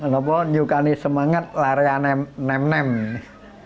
saya tidak pernah semangat lari dengan mereka